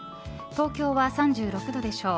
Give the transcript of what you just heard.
東京は３６度でしょう。